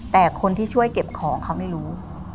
แต่คนที่ช่วยเก็บของเขาไม่รู้